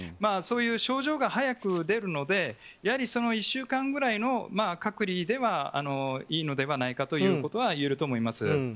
そういう症状が早く出るのでやはり１週間ぐらいの隔離でいいのではないかということは言えると思います。